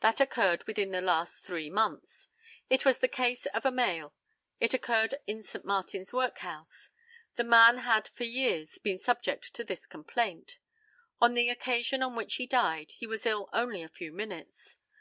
That occurred within the last three months. It was the case of a male. It occurred in St. Martin's workhouse. The man had for years been subject to this complaint. On the occasion on which he died he was ill only a few minutes.